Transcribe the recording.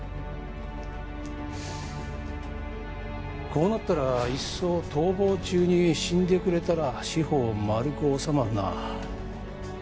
こうなったらいっそ逃亡中に死んでくれたら四方丸く収まるな。